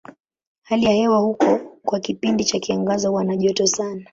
Hali ya hewa ya huko kwa kipindi cha kiangazi huwa na joto sana.